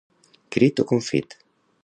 Crit o confit.